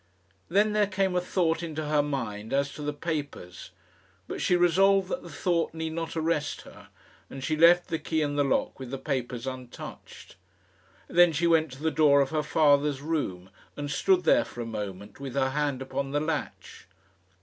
Then there came a thought into her mind as to the papers; but she resolved that the thought need not arrest her, and she left the key in the lock with the papers untouched. Then she went to the door of her father's room, and stood there for a moment with her hand upon the latch.